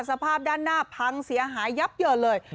สภาพด้านหน้าพังเสียหายยับเยินเลย